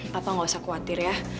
papa nggak usah khawatir ya